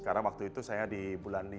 karena waktu itu saya di bulan lima